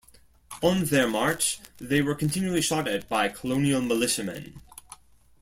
On their march, they were continually shot at by colonial militiamen.